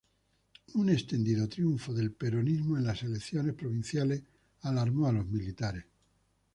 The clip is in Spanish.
Un extendido triunfo del peronismo en las elecciones provinciales alarmó a los militares.